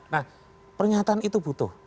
nah pernyataan itu butuh